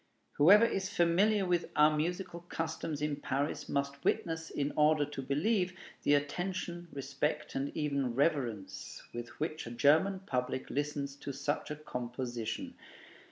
Whoever is familiar with our musical customs in Paris must witness, in order to believe, the attention, respect, and even reverence with which a German public listens to such a composition.